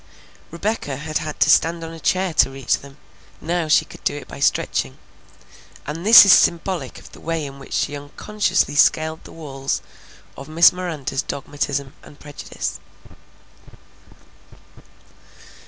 Rebecca had had to stand on a chair to reach them; now she could do it by stretching; and this is symbolic of the way in which she unconsciously scaled the walls of Miss Miranda's dogmatism and prejudice.